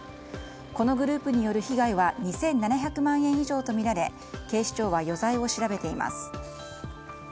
このグループによる被害は２７００万円以上とみられ警視庁は余罪を調べています。